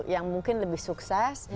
yang mungkin lebih sukses